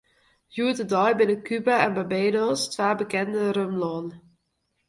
Hjoed-de-dei binne Kuba en Barbados twa bekende rumlannen.